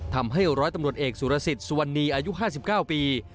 ทำให้ร้อยตำรวจเอกสุรสิทธิ์สุวรรณีอายุ๕๙ปี